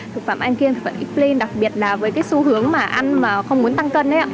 thực phẩm ăn kiên thực phẩm ít lên đặc biệt là với xu hướng ăn mà không muốn tăng cân